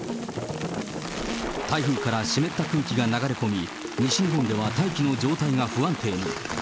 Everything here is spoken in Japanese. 台風から湿った空気が流れ込み、西日本では大気の状態が不安定に。